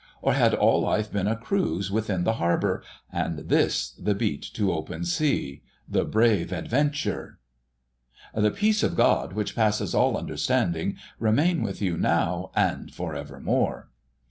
Or had all life been a cruise within the harbour: and this the beat to open sea ... The Brave Adventure? "_The peace of God which passeth all understanding ... remain with you now and for evermore.